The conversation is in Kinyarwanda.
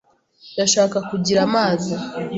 Ndashaka kugira amazi.